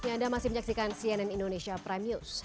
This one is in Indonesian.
ya anda masih menyaksikan cnn indonesia prime news